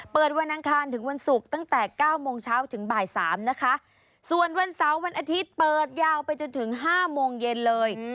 วันอังคารถึงวันศุกร์ตั้งแต่เก้าโมงเช้าถึงบ่ายสามนะคะส่วนวันเสาร์วันอาทิตย์เปิดยาวไปจนถึงห้าโมงเย็นเลย